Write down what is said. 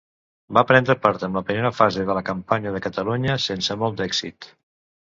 Va prendre part en la primera fase de la campanya de Catalunya, sense molt d'èxit.